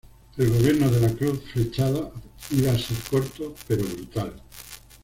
El gobierno de la Cruz flechada iba ser corto pero brutal.